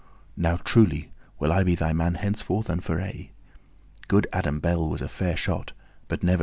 Now truly will I be thy man henceforth and for aye. Good Adam Bell(1) was a fair shot, but never shot he so!"